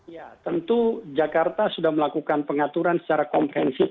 ya tentu jakarta sudah melakukan pengaturan secara komprehensif